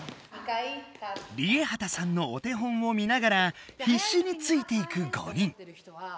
ＲＩＥＨＡＴＡさんのお手本を見ながらひっしについていく５人。